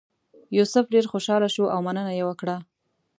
یوسف ډېر خوشاله شو او مننه یې وکړه.